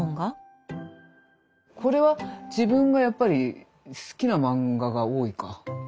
これは自分がやっぱり好きな漫画が多いか。